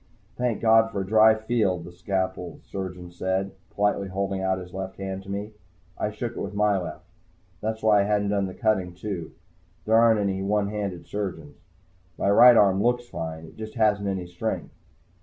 "Thank God for a dry field," the scalpel surgeon said, politely holding out his left hand to me. I shook it with my left. That's why I hadn't done the cutting, too. There aren't any one handed surgeons. My right arm looks fine. It just hasn't any strength.